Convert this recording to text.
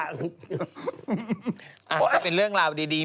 ก็เป็นเรื่องราวดี